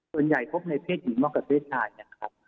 ส่วนใหญ่พบในเพศหญิงมากกับเพศชาตินะครับ